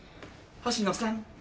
星野さん。